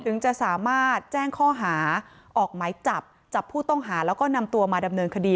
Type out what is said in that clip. ถึงจะสามารถแจ้งข้อหาออกหมายจับจับผู้ต้องหาแล้วก็นำตัวมาดำเนินคดี